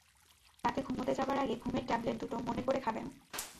রাতে ঘুমুতে যাবার আগে ঘুমের ট্যাবলেট দুটা মনে করে খাবেন।